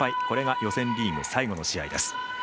これが予選リーグ最後の試合です。